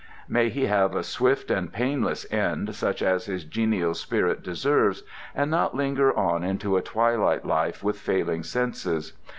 May he have a swift and painless end such as his genial spirit deserves, and not linger on into a twilight life with failing senses.